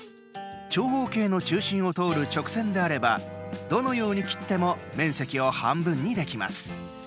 長方形の中心を通る直線であればどのように切っても面積を半分にできます。